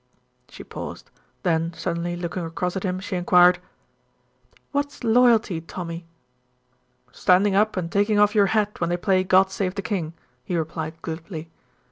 She paused, then suddenly looking across at him she enquired, "What is loyalty, Tommy?" "Standing up and taking off your hat when they play 'God Save the King,'" he replied glibly.